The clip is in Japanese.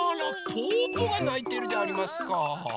ぽぅぽがないてるでありますか。